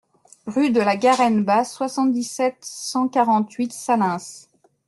Rue de la Garenne Basse, soixante-dix-sept, cent quarante-huit Salins